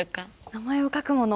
名前を書くもの。